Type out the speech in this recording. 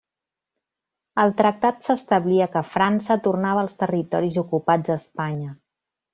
Al tractat s'establia que França tornava els territoris ocupats a Espanya.